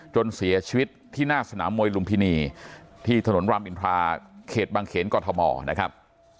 จนเสียชีวิตที่หน้าสนามมวยลุมพินีที่ถนนรามอินทราเขตบางเขนกอทมนะครับ